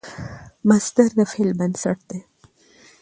مصدر د فعل بنسټ دئ.